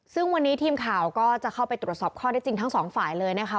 ซึ่งวันนี้ทีมข่าวก็จะเข้าไปตรวจสอบข้อได้จริงทั้งสองฝ่ายเลยนะคะ